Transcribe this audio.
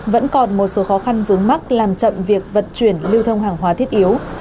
vẫn còn một số khó khăn vướng mắt làm chậm việc vận chuyển lưu thông hàng hóa thiết yếu